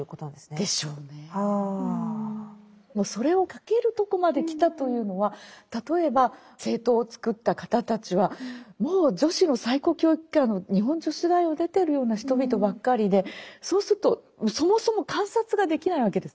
でもそれを書けるところまで来たというのは例えば「青鞜」を作った方たちはもう女子の最高教育機関の日本女子大を出てるような人々ばっかりでそうするとそもそも観察ができないわけです。